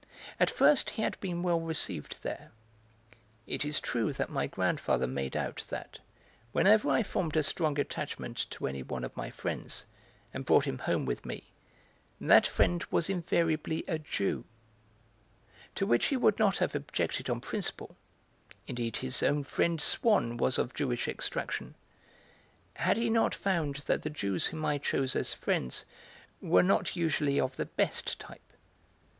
At first, he had been well received there. It is true that my grandfather made out that, whenever I formed a strong attachment to any one of my friends and brought him home with me, that friend was invariably a Jew; to which he would not have objected on principle indeed his own friend Swann was of Jewish extraction had he not found that the Jews whom I chose as friends were not usually of the best type.